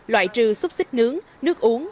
loại trừ xúc xích nướng nước uống